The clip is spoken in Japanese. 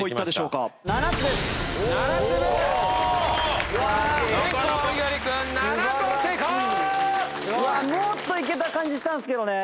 うわあもっといけた感じしたんですけどね。